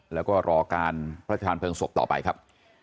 แล้วก็รอการพระชาธานเพลิงศพต่อไปครับ